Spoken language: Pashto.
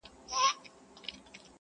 چي طوطي ګنجي ته وکتل ګویا سو.!